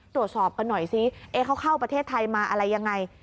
ตรวจสอบกันหน่อยสิเขาเข้าประเทศไทยมาอะไรยังไง